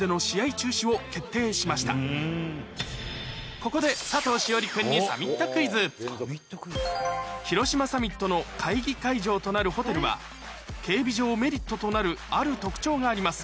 ここで佐藤栞里君に広島サミットの会議会場となるホテルは警備上メリットとなるある特徴があります